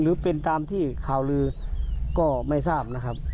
หรือเป็นตามที่ข่าวลือก็ไม่ทราบนะครับ